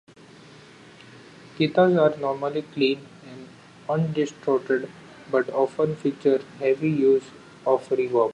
Guitars are normally clean and undistorted but often feature heavy use of reverb.